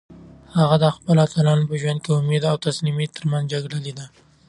هغه د خپلو اتلانو په ژوند کې د امید او تسلیمۍ ترمنځ جګړه لیده.